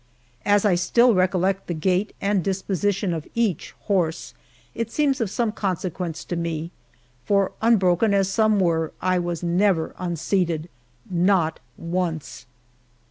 As I still recollect the gait and disposition of each horse, it seems of some consequence to me, for unbroken as some were, I was never unseated not once!